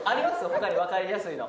他に分かりやすいの。